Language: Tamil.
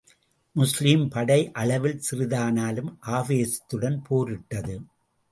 முஸ்லிம் படை அளவில் சிறிதானாலும், ஆவேசத்துடன் போரிட்டது.